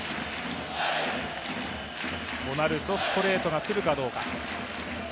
となると、ストレートが来るかどうか。